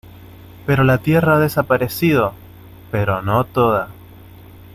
pero la tierra ha desaparecido, pero no toda.